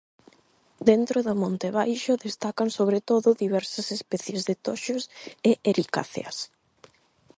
Dentro do monte baixo destacan sobre todo diversas especies de toxos e ericáceas.